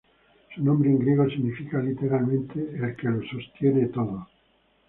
Su nombre en griego significa literalmente "el que lo sostiene todo".